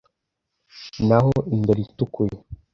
n’aho indoro itukuye